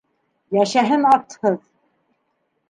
Йәшәһен атһыҙ!